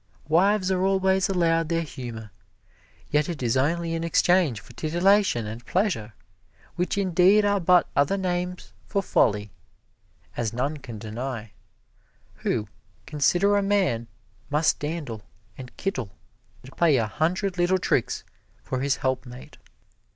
Wives are always allowed their humor, yet it is only in exchange for titillation and pleasure, which indeed are but other names for Folly; as none can deny, who consider how a man must dandle, and kittle, and play a hundred little tricks for his helpmate.